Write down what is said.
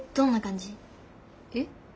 えっ？